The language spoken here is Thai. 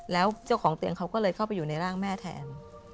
แล้วเจ้าของเตียงเขาก็เลยเข้าไปอยู่ในร่างแม่แทน